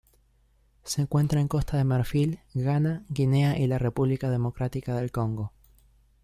Se encuentra en Costa de Marfil, Ghana, Guinea y la República Democrática del Congo.